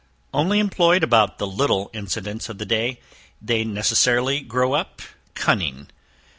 Only employed about the little incidents of the day, they necessarily grow up cunning.